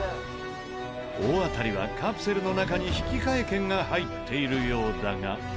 大当たりはカプセルの中に引換券が入っているようだが。